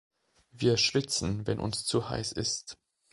Wir schwitzen, wenn uns zu heiß ist.